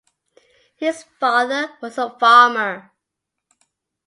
His father was a farmer.